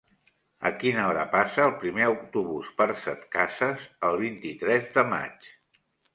A quina hora passa el primer autobús per Setcases el vint-i-tres de maig?